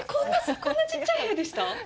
こんなちっちゃい部屋でした？